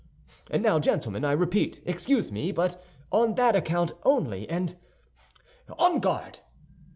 And now, gentlemen, I repeat, excuse me, but on that account only, and—on guard!"